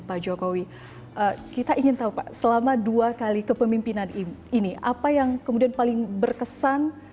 apa yang kemudian paling berkesan